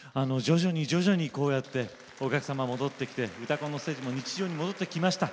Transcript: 徐々にこうやってお客様が戻ってきて「うたコン」のステージも日常に戻ってきました。